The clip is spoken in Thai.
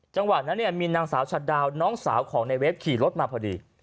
จังหวะนั้นเนี่ยมีนางสาวฉัดดาวน้องสาวของในเฟฟขี่รถมาพอดี